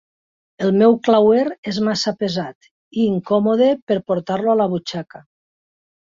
El meu clauer és massa pesat i incòmode per portar-lo a la butxaca.